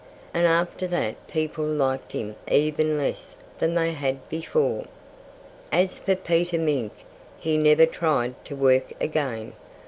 And after that people liked him even less than they had before. As for Peter Mink, he never tried to work again.